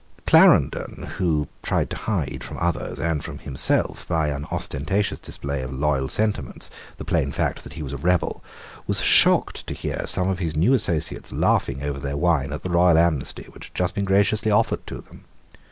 Clarendon, who tried to hide from others and from himself, by an ostentatious display of loyal sentiments, the plain fact that he was a rebel, was shocked to hear some of his new associates laughing over their wine at the royal amnesty which had just been graciously offered to them.